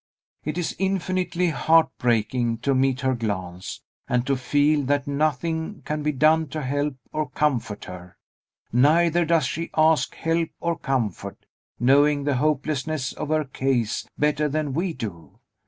It is infinitely heart breaking to meet her glance, and to feel that nothing can be done to help or comfort her; neither does she ask help or comfort, knowing the hopelessness of her case better than we do.